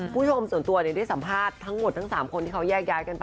คุณผู้ชมส่วนตัวได้สัมภาษณ์ทั้งหมดทั้ง๓คนที่เขาแยกย้ายกันไป